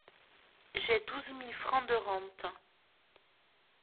J’ai douze mille francs de rente…